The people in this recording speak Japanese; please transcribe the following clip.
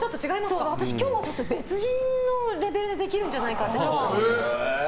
今日は別人のレベルでできるんじゃないかって思ってます。